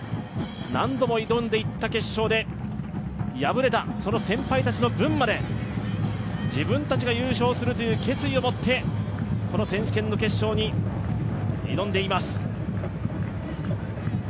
何度も挑んでいった決勝で破れたその先輩たちの分まで、自分たちが優勝する決意を持ってこの選手権の決勝に挑んでいます。